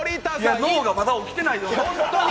脳がまだ起きてないよ。